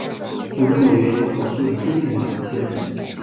主任委员由考试院副院长兼任。